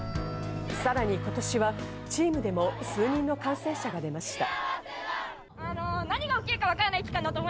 さらに今年は、チームでも数人の感染者が出ました。